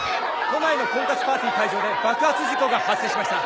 「」「」「都内の婚活パーティー会場で爆発事故が発生しました」